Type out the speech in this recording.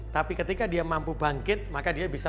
tapi ketika dia mampu bangkit maka dia bisa